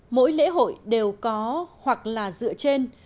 mỗi lễ hội đều có hoặc là dựa trên